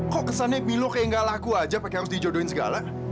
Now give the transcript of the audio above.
kok kesannya pilo kayak gak laku aja pakai harus dijodohin segala